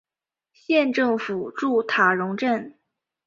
县政府驻塔荣镇。